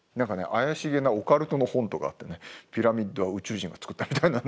怪しげなオカルトの本とかあってね「ピラミッドは宇宙人がつくった」みたいなね。